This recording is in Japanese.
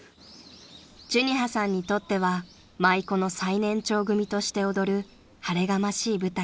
［寿仁葉さんにとっては舞妓の最年長組として踊る晴れがましい舞台］